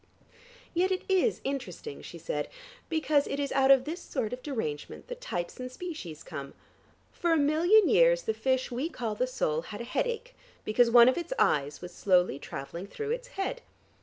"Yet it is interesting," she said, "because it is out of this sort of derangement that types and species come. For a million years the fish we call the sole had a headache because one of its eyes was slowly traveling through its head.